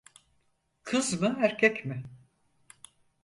Kız mı erkek mi?